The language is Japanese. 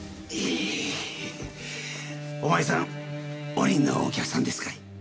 お前さんおりんのお客さんですかい？